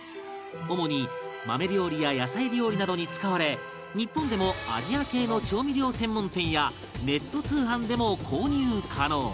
主に豆料理や野菜料理などに使われ日本でもアジア系の調味料専門店やネット通販でも購入可能